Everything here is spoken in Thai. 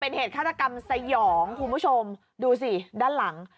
เป็นเหตุฆาตกรรมสยองคุณผู้ชมดูสิด้านหลัง